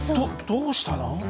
どどうしたの？